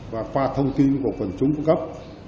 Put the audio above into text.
và pha thông tin của phần chúng phương cấp